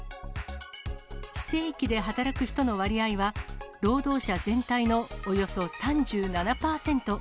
非正規で働く人の割合は、労働者全体のおよそ３７％。